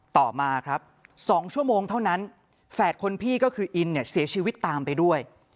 ต่อมาครับ๒ชั่วโมงเท่านั้นแฝดคนพี่ก็คืออินเนี่ยเสียชีวิตตามไปด้วย